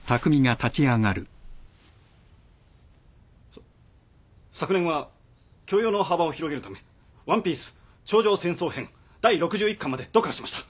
さっ昨年は教養の幅を広げるため『ワンピース』頂上戦争編第６１巻まで読破しました。